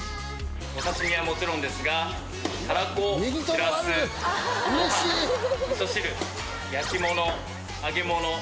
お刺身はもちろんですがたらこシラスご飯みそ汁焼き物揚げ物。